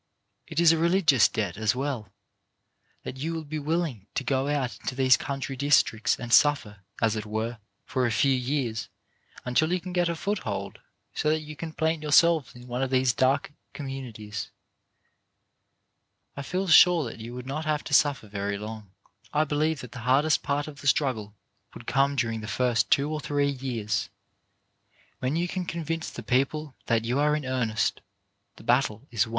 It is a religious debt as well, that you be willing to go out into these country districts and suffer, as it were, for a few years, until you can get a foothold, so that you can plant yourselves in one of these dark communities. I feel sure that you would not have to suffer very long. I believe that the hardest part of the struggle would come during the first two or three years. When you can con vince the people that you are in earnest, the battle is won.